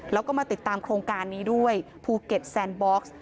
แล้วก็มาติดตามโครงการนี้ด้วยภูเก็ตแซนบ็อกซ์